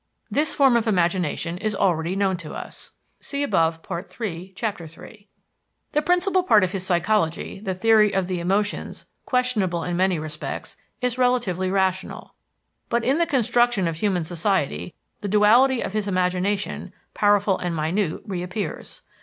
This form of imagination is already known to us. The principal part of his psychology, the theory of the emotions, questionable in many respects, is relatively rational. But in the construction of human society, the duality of his imagination powerful and minute reappears.